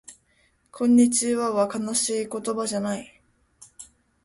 こんにちはは悲しい言葉じゃない